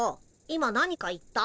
今何か言った？